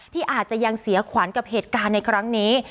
ที่อาจจะยังเสียขวัญกับเหตุการณ์ในครั้งนี้